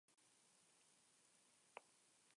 Se encuentra en el Museo del Louvre, en París.